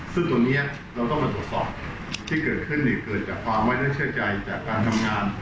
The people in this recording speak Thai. ซึ่งตรงนี้เราต้องมาตรวจสอบที่เกิดขึ้นเกิดจากความไม่น่าเชื่อใจจากการทำงาน